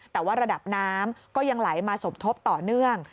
แต่ว่าระดับน้ำก็ยังไหลมาสมทบต่อเนื่อง